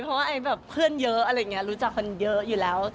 เพราะว่าไอ้แบบเพื่อนเยอะอะไรอย่างนี้รู้จักคนเยอะอยู่แล้ว